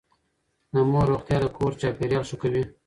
د مور روغتيا د کور چاپېريال ښه کوي.